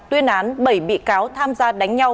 tuyên án bảy bị cáo tham gia đánh nhau